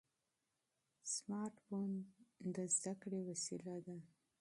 سمارټ فون د زده کړې وسیله ده.